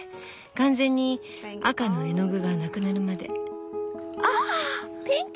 完全に赤の絵の具がなくなるまで。